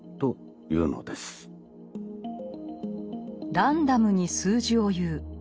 ランダムに数字を言う。